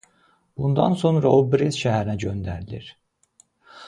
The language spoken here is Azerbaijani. Bundan sonra o Brest şəhərinə göndərilir.